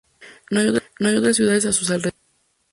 No hay otras ciudades a su alrededor.